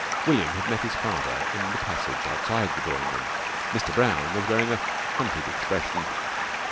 William had met his father in the passage outside the drawing room. Mr. Brown was wearing a hunted expression.